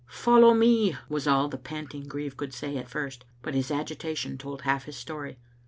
" Follow me," was all the panting grieve could say at first, but his agitation told half his story.